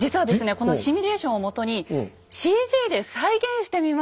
このシミュレーションをもとにＣＧで再現してみました。